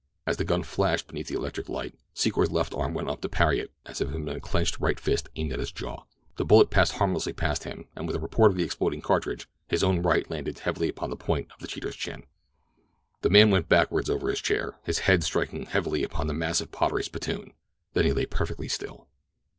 As the gun flashed beneath the electric light, Secor's left arm went up to parry it as if it had been a clenched right fist aimed at his jaw. The bullet passed harmlessly past him, and with the report of the exploding cartridge his own right landed heavily upon the point of the cheater's chin. The man went backward over his chair, his head striking heavily upon a massive pottery spittoon. Then he lay perfectly still.